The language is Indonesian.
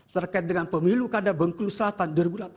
terkait dengan pemilu kada bengkulu selatan dua ribu delapan belas